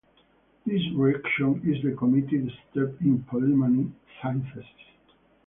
This reaction is the committed step in polyamine synthesis.